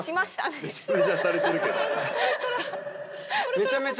めちゃめちゃ。